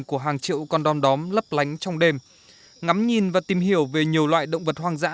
của hàng triệu con đom đóm lấp lánh trong đêm ngắm nhìn và tìm hiểu về nhiều loại động vật hoang dã